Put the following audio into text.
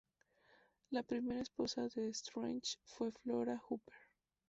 La primera esposa de Strange fue Flora Hooper.